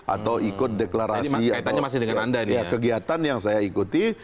atau ikut deklarasi atau kegiatan yang saya ikuti